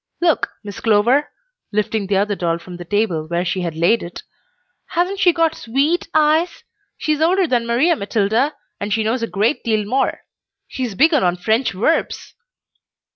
Look, Miss Clover," lifting the other doll from the table where she had laid it; "hasn't she got sweet eyes? She's older than Maria Matilda, and she knows a great deal more. She's begun on French verbs!"